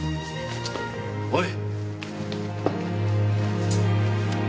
おい！